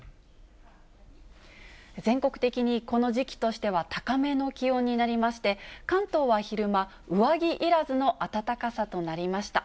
全国的にこの時期としては、高めの気温になりまして、関東は昼間、上着いらずの暖かさとなりました。